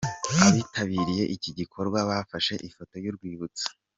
Abitabiriye iki gikorwa bafashe ifoto y'urwibutso.